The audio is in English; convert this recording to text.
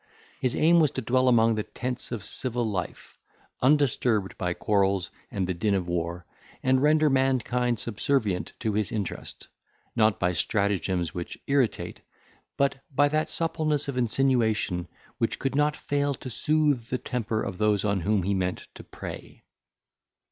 His aim was to dwell among the tents of civil life, undisturbed by quarrels and the din of war, and render mankind subservient to his interest, not by stratagems which irritate, but by that suppleness of insinuation, which could not fail to soothe the temper of those on whom he meant to prey.